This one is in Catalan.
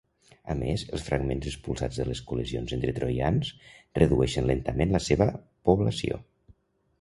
A més, els fragments expulsats de les col·lisions entre troians redueixen lentament la seva població.